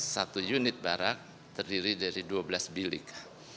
satu unit barak terdiri dari dua belas bilik